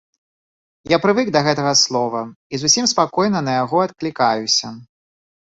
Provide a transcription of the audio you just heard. Я прывык да гэтага слова і зусім спакойна на яго адклікаюся.